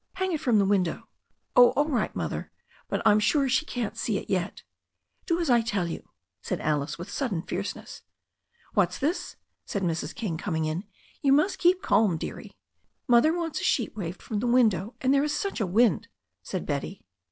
Hang it from the window." "Oh, all right. Mother. But I'm sure she can't see it yet" "Do as I tell you," said Alice, with sudden fierceness. "What's this?" said Mrs. King, coming in. "You must keep calm, dearie." "Mother wants a sheet waved from the window, and there is such a wind," said Betty.